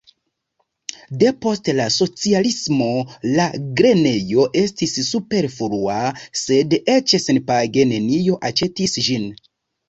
Depost la socialismo la grenejo estis superflua, sed eĉ senpage neniu aĉetis ĝin.